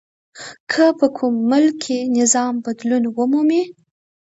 که په کوم ملک کې نظام بدلون ومومي.